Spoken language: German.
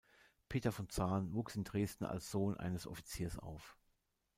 Peter von Zahn wuchs in Dresden als Sohn eines Offiziers auf.